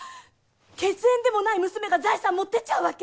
血縁でもない娘が財産持ってっちゃうわけ？